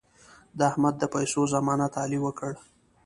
د احمد د پیسو ضمانت علي وکړ.